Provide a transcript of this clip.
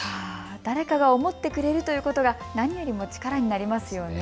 誰かが思ってくれるということが何よりも力になりますよね。